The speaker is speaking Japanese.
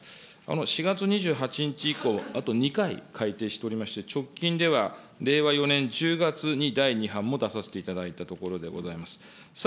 ４月２８日以降、あと２回かいていしておりまして、直近では令和４年１０月に第２版も出させていただいたところでございます。